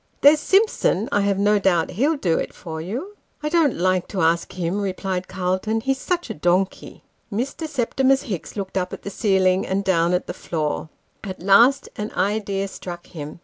There's Simpson I have no doubt he will do it for you." " I don't like to ask him," replied Calton, " he's such a donkey." Mr. Septimus Hicks looked up at the ceiling, and down at the floor ; at last an idea struck him.